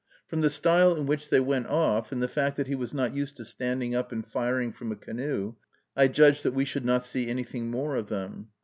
From the style in which they went off, and the fact that he was not used to standing up and firing from a canoe, I judged that we should not see anything more of them.